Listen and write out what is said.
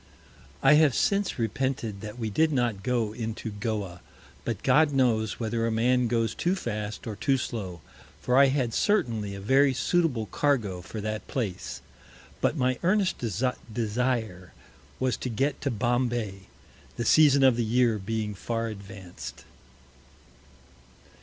I have since repented that we did not go into Goa; but God knows whether a Man goes too fast or too slow; for I had certainly a very suitable Cargo for that Place; But my earnest Desire was to get to Bombay, the Season of the Year being far advanc'd.